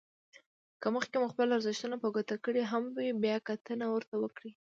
که مخکې مو خپل ارزښتونه په ګوته کړي هم وي بيا کتنه ورته وکړئ.